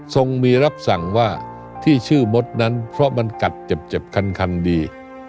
ทรงมีรับสั่งว่าที่ชื่อมดนั้นเพราะมันกัดเจ็บคันดี